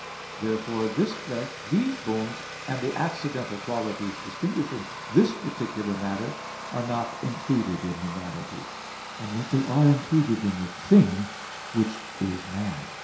Therefore this flesh, these bones, and the accidental qualities distinguishing this particular matter, are not included in humanity; and yet they are included in the thing which is man.